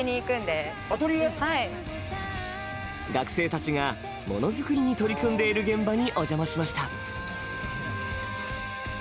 学生たちがものづくりに取り組んでいる現場にお邪魔しました。